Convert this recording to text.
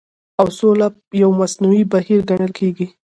او سوله يو مصنوعي بهير ګڼل کېدی